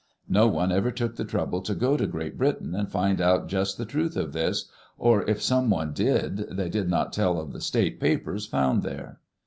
No one ever took the trouble to go to Great Britain and find out just the truth of this; or, if someone did, they did not tell of the state papers found there.